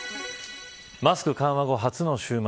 マスク緩和後、初の週末。